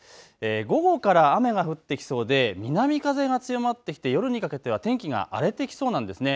午後から雨が降ってきそうで、南風が強まってきて夜にかけては天気が荒れてきそうなんです。